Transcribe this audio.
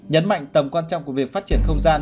nhấn mạnh tầm quan trọng của việc phát triển không gian